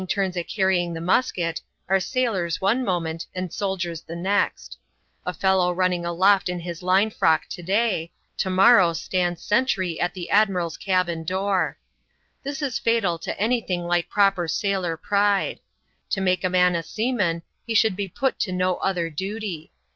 turns at carrjiiig the musket, are sailors one moment, and soldiers the next ; a fellow running aloft in his line £rock to daj, to morrow stands sentry at the admiral's cabin door. This is fatal to any thing like proper sailor pride. To make a man a seaman, he should be put to no other duty.